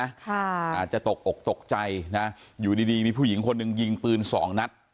อาจจะตกอกตกใจนะอยู่ดีดีมีผู้หญิงคนหนึ่งยิงปืนสองนัด